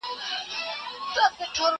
په لس هاوو یې لیدلي وه ښارونه